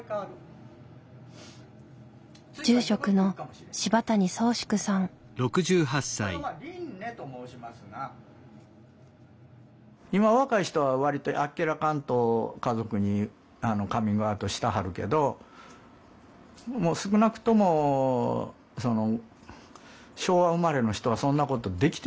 住職の今若い人は割とあっけらかんと家族にカミングアウトしたはるけどもう少なくとも昭和生まれの人はそんなことできてないわよ。